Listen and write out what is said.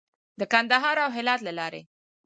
د کندهار او هرات له لارې.